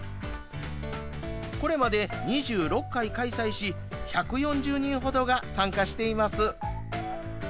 これまで２６回開催し１４０人ほどが参加しています。